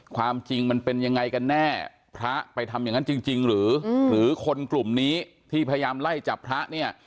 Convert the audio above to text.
ความจริงมันเป็นยังไงกันแน่พระไปทำอย่างนั้นจริงหรือคนกลุ่มนี้ที่พยายามไล่จับพระเนี่ย